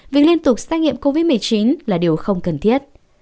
việc liên tục xét nghiệm covid một mươi chín là điều không cần thiết